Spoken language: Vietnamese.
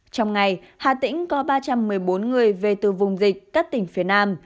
trong ngày hà tĩnh có ba trăm một mươi bốn người về từ vùng dịch các tỉnh phía nam